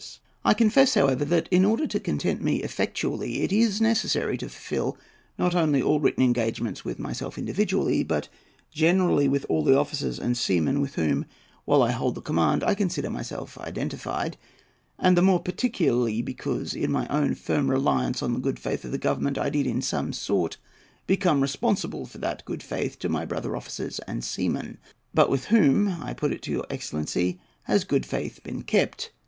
] I confess, however, that in order to content me effectually it is necessary to fulfil not only all written engagements with myself individually, but generally with all the officers and seamen with whom, while I hold the command, I consider myself identified; and the more particularly because, in my own firm reliance on the good faith of the Government, I did in some sort become responsible for that good faith to my brother officers and seamen. But with whom, I put it to your excellency, has good faith been kept?